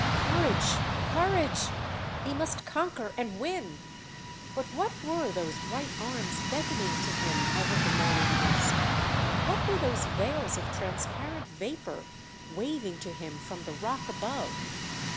Courage! Courage! He must conquer and win! But what were those white arms beckoning to him out of the morning mist? What were those veils of transparent vapour waving to him from the rock above?